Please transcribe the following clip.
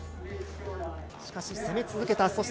しかし攻め続けた。